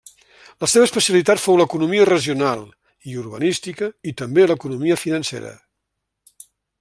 La seva especialitat fou l'economia regional i urbanística i també l'economia financera.